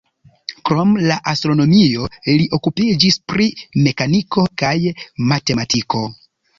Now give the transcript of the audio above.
Krom la astronomio li okupiĝis pri mekaniko kaj matematiko.